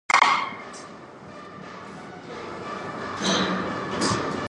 The Madeira is a tributary to the Amazon River.